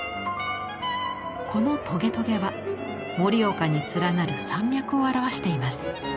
このトゲトゲは盛岡に連なる山脈を表しています。